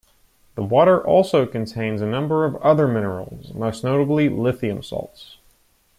The water also contains a number of other minerals, most notably lithium salts.